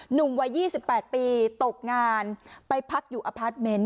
หนุ่มวัย๒๘ปีตกงานไปพักอยู่อพาร์ทเมนต์